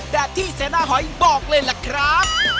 แบบที่เสนาหอยบอกเลยล่ะครับ